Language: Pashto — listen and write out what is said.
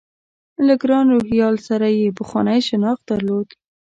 له ګران روهیال سره یې پخوانی شناخت درلود.